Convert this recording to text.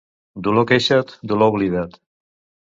Dolor queixat, dolor oblidat.